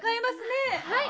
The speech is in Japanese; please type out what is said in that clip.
はい！